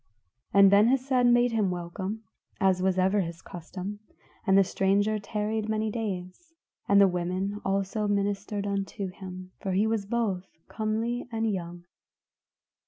And Ben Hesed made him welcome, as was ever his custom, and the stranger tarried many days; the women also ministered unto him, for he was both comely and young.